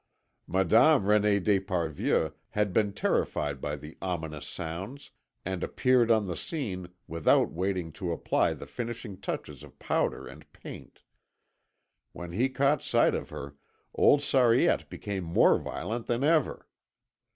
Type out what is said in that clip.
Madame René d'Esparvieu had been terrified by the ominous sounds, and appeared on the scene without waiting to apply the finishing touches of powder and paint. When he caught sight of her, old Sariette became more violent than ever.